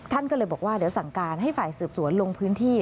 ท่านก็เลยบอกว่าเดี๋ยวสั่งการให้ฝ่ายสืบสวนลงพื้นที่